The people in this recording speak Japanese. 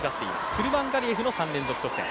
クルマンガリエフの３連続得点。